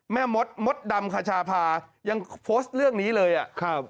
แม่มดมดดำขชาพายังโฟสต์เรื่องนี้เลยอะ